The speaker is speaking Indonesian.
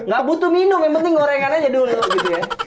gak butuh minum yang penting gorengan aja dulu gitu ya